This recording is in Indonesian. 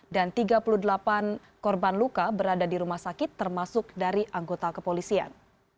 dan tiga puluh delapan korban luka berada di rumah sakit termasuk dari anggota kepolisian